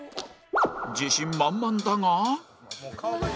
自信満々だが